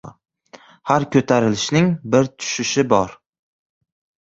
• Har ko‘tarilishning bir tushishi bor.